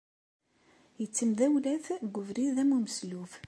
Yettemdawlat deg ubrid am umeslub.